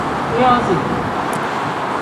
Nozi.